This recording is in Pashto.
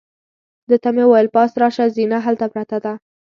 ده ته مې وویل: پاس راشه، زینه هلته پرته ده.